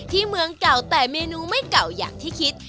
เมืองเก่าแต่เมนูไม่เก่าอย่างที่คิด